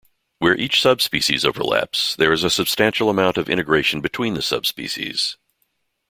Where each subspecies overlaps there is a substantial amount of integration between the subspecies.